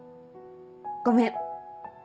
ごめん。